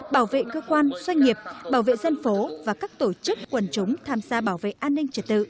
bảo vệ cơ quan doanh nghiệp bảo vệ dân phố và các tổ chức quần chúng tham gia bảo vệ an ninh trật tự